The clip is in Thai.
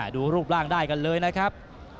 ดูรูปร่างได้กันเลยนะครับ